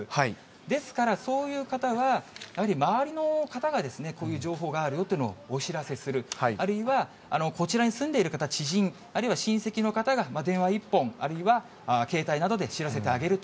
ですから、そういう方は、やはり周りの方が、こういう情報があるよっていうのをお知らせする、あるいはこちらに住んでいる方、知人、あるいは親戚の方が、電話一本、あるいは携帯などで知らせてあげる。